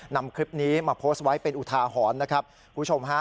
นำคลิปนี้มาโพสต์ไว้เป็นอุทาหรณ์นะครับคุณผู้ชมฮะ